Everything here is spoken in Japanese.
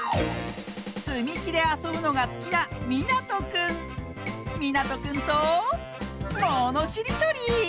つみきであそぶのがすきなみなとくんとものしりとり！